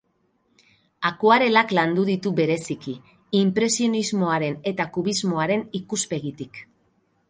Akuarelak landu ditu bereziki, inpresionismoaren eta kubismoaren ikuspegitik.